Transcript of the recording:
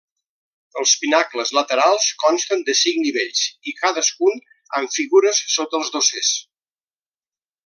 Els pinacles laterals consten de cinc nivells i cadascun amb figures sota dossers.